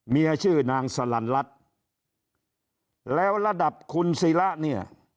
เมียชื่อนางสลันรัฐแล้วระดับคุณศิระเนี่ย